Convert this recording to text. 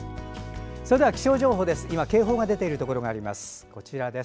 それでは気象情報です。